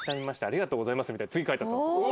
ありがとうございます」みたいな次書いてあったんですよ。